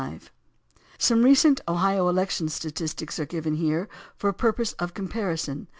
188,825 Some recent Ohio election statistics are given here for purposes of comparison.